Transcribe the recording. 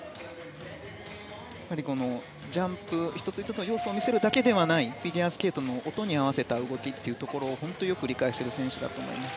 やはり、１つ１つの要素を見せるだけではないフィギュアスケートの音に合わせた動きというのを本当によく理解している選手だと思います。